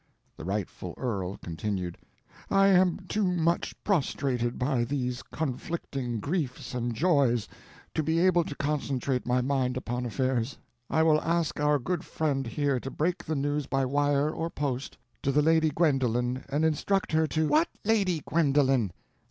The rightful earl continued: "I am too much prostrated by these conflicting griefs and joys to be able to concentrate my mind upon affairs; I will ask our good friend here to break the news by wire or post to the Lady Gwendolen and instruct her to—" "What Lady Gwendolen?"